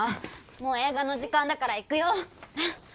もう映画の時間だから行くよ。